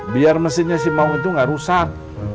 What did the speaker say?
biar mesinnya si maung itu nggak rusak